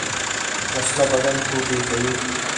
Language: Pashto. وسله بدن ټوټې کوي